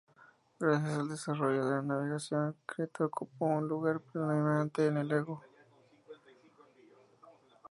Gracias al desarrollo de la navegación, Creta ocupó un lugar predominante en el Egeo.